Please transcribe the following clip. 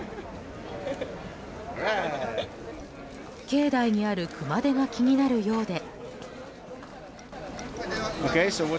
境内にある熊手が気になるようで。